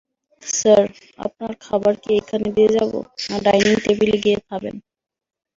Sir, আপনার খাবার কি এইখানে দিয়ে যাব, না ডাইনিং টেবিলে গিয়ে খবেন?